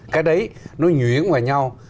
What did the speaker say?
cái đấy nó nhuyễn vào nhau